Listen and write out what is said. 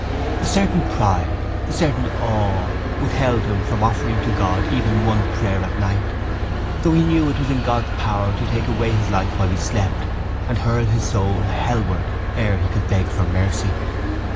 A certain pride, a certain awe, withheld him from offering to God even one prayer at night though he knew it was in God's power to take away his life while he slept and hurl his soul hellward ere he could beg for mercy.